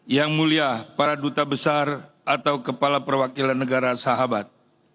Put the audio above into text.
yang mulia para duta besar atau kepala perwakilan negara sahabat